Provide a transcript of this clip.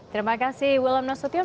terima kasih wilam nasution